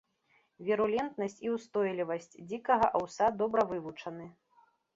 Вірулентнасць і ўстойлівасць дзікага аўса добра вывучаны.